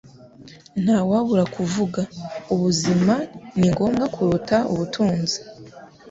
Ntawabura kuvuga, ubuzima ni ngombwa kuruta ubutunzi.